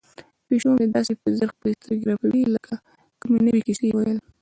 پیشو مې داسې په ځیر خپلې سترګې رپوي لکه د کومې نوې کیسې ویل.